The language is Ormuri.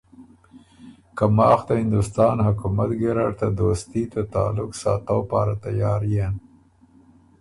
که ماخ ته هندوستان حکومت ګیرډ ته دوستي ته تعلق ساتؤ پاره تیار يېن۔